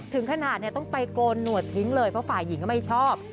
ถึงขนาดต้องไปโกนหนวดทิ้งเลยเพราะฝ่ายหญิงก็ไม่ชอบ